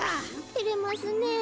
てれますねえ。